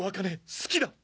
好きだ！